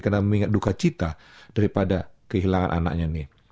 karena mengingat duka cita daripada kehilangan anaknya